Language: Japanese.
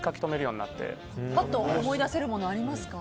ぱっと思い出せるものありますか？